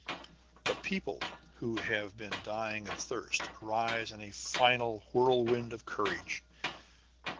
The people who have been dying of thirst arise in a final whirlwind of courage.